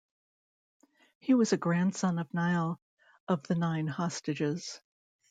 He was a grandson of Niall of the Nine Hostages.